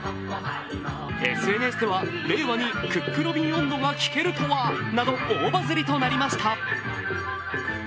ＳＮＳでは、令和にクックロビン音頭が聞けるとはと大バズりとなりました。